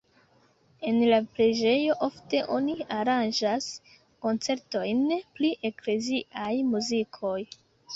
En la preĝejo ofte oni aranĝas koncertojn pri ekleziaj muzikoj.